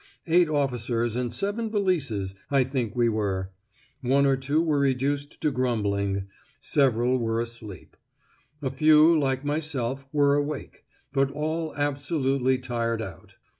Eight officers and seven valises, I think we were; one or two were reduced to grumbling; several were asleep; a few, like myself, were awake, but all absolutely tired out.